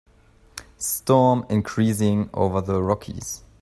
Storm increasing over the Rockies.